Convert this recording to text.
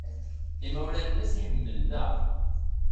Imawlan-nnes ḥemmlen-aɣ.